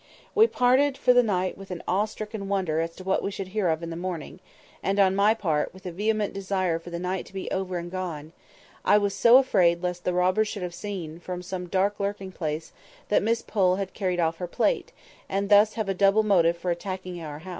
We parted for the night with an awe stricken wonder as to what we should hear of in the morning—and, on my part, with a vehement desire for the night to be over and gone: I was so afraid lest the robbers should have seen, from some dark lurking place, that Miss Pole had carried off her plate, and thus have a double motive for attacking our house.